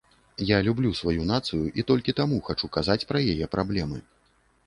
Я люблю сваю нацыю і толькі таму хачу казаць пра яе праблемы.